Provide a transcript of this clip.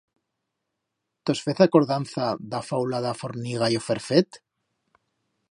Tos fez acordanza d'a faula d'a forniga y o ferfet?